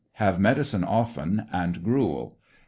Have medicine often, and gruel.